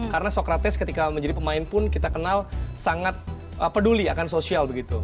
karena socrates ketika menjadi pemain pun kita kenal sangat peduli akan sosial begitu